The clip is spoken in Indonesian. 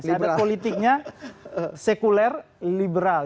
syahadat politiknya sekuler liberal